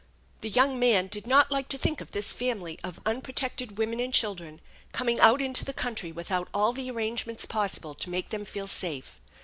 The young man did not like to think of this family of unprotected women and children coming out into the country without all the arrangements possible to make them feel safe.